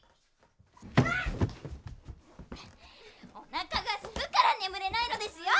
おなかがすくから眠れないのですよ！